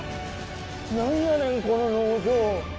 何やねんこの農場。